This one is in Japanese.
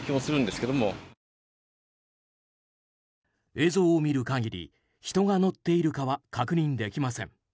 映像を見る限り人が乗っているかは確認できません。